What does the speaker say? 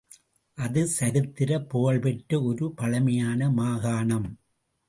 அது சரித்திரப் புகழ் பெற்ற ஒரு பழமையான மாகாணம்.